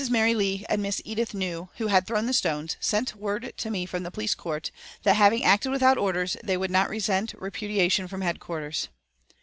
Mary Leigh and Miss Edith New, who had thrown the stones, sent word to me from the police court that, having acted without orders, they would not resent repudiation from headquarters.